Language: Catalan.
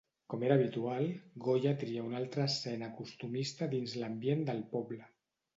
Com era habitual, Goya tria una altra escena costumista dins l'ambient del poble.